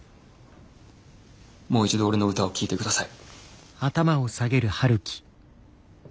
もう一度俺の歌を聴いて下さい。